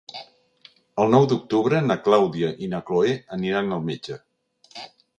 El nou d'octubre na Clàudia i na Cloè aniran al metge.